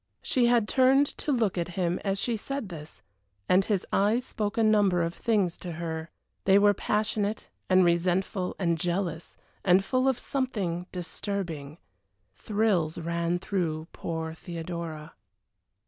She had turned to look at him as she said this, and his eyes spoke a number of things to her. They were passionate, and resentful, and jealous, and full of something disturbing. Thrills ran through poor Theodora.